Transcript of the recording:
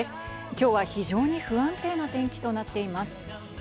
きょうは非常に不安定な天気となっています。